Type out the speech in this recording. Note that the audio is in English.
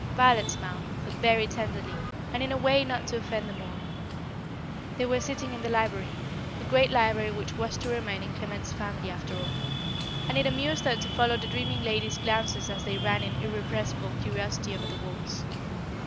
Violet smiled, but very tenderly, and in a way not to offend the mourner. They were sitting in the library the great library which was to remain in Clement's family after all and it amused her to follow the dreaming lady's glances as they ran in irrepressible curiosity over the walls.